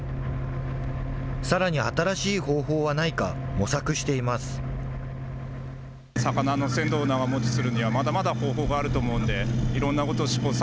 さらに新しい方法はないか、模索しています。